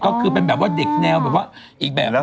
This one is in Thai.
ก็คือเป็นแบบว่าเด็กแนวแบบว่าอีกแบบแล้ว